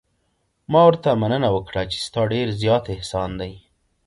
ما ورته مننه وکړه چې ستا ډېر زیات احسان دی.